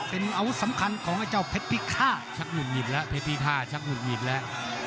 เป็นอะวุธสำคัญของไอเจ้าใชุ่มงิดแล้วเฉากุญิตแล้ว